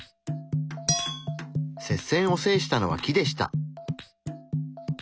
接戦を制したのは木でした。